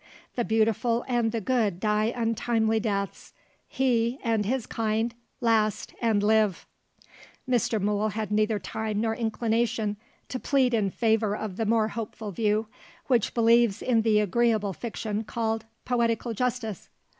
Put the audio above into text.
The beautiful and the good die untimely deaths. He, and his kind, last and live." Mr. Mool had neither time nor inclination to plead in favour of the more hopeful view, which believes in the agreeable fiction called "Poetical justice."